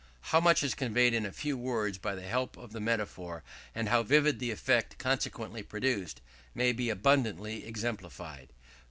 How much is conveyed in a few words by the help of the Metaphor, and how vivid the effect consequently produced, may be abundantly exemplified.